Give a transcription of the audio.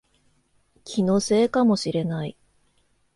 気のせいかもしれない